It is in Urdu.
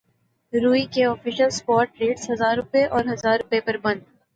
روئی کے افیشل اسپاٹ ریٹس ہزار روپے اور ہزار روپے پر بند